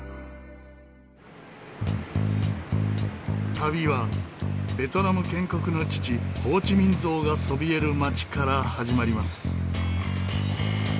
旅はベトナム建国の父ホー・チ・ミン像がそびえる街から始まります。